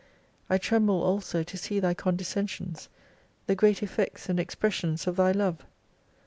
I tremble also to see Thy condescencions, the great effects and ex pressions of Thy love